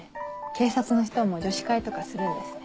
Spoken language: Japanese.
警察の人も女子会とかするんですね。